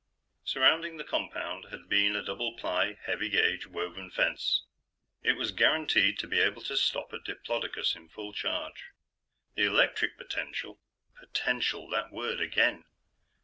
Surrounding the compound had been a double ply, heavy gauge, woven fence. It was guaranteed to be able to stop a diplodocus in full charge; the electric potential (potential! That word again!)